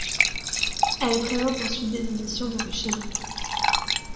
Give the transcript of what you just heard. Elle présente ensuite des émissions de la chaîne.